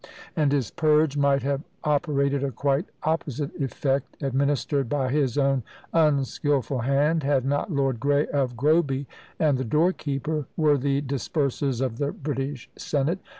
And his "Purge" might have operated a quite opposite effect, administered by his own unskilful hand, had not Lord Grey of Groby, and the door keeper, worthy dispersers of the British senate!